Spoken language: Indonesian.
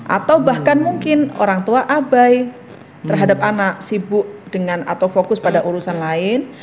atau bahkan mungkin orang tua abai terhadap anak sibuk dengan atau fokus pada urusan lain